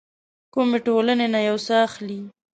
کومې ټولنې نه يو څه اخلي.